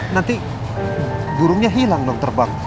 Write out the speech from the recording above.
nanti burungnya hilang dong terbang